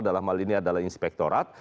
dalam hal ini adalah inspektorat